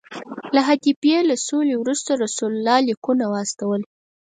د حدیبیې له سولې وروسته رسول الله لیکونه واستول.